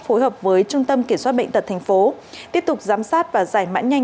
phối hợp với trung tâm kiểm soát bệnh tật tp hcm tiếp tục giám sát và giải mã nhanh